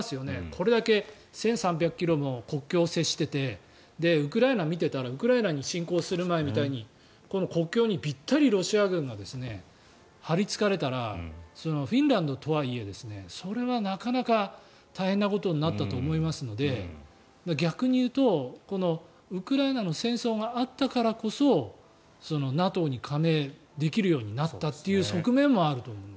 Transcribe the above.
これだけ１３００ｋｍも国境を接しててウクライナを見てたらウクライナに侵攻する前に国境にびったりとロシア軍に張りつかれたらフィンランドとはいえそれはなかなか大変なことになったと思いますので逆に言うとこのウクライナの戦争があったからこそＮＡＴＯに加盟できるようになったっていう側面もあると思う。